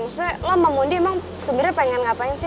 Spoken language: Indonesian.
maksudnya lo sama mondi emang sebenarnya pengen ngapain sih